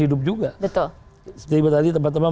hidup juga tadi teman teman